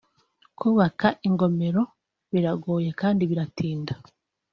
Kubaka ingomero biragoye kandi biratinda